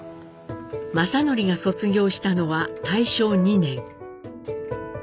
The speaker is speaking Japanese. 正徳が卒業したのは大正２年。